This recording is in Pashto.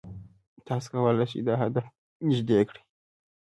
تاسو کولای شئ دا هدف نږدې کړئ.